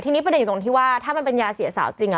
ทีนี้ประเด็นอยู่ตรงที่ว่าถ้ามันเป็นยาเสียสาวจริง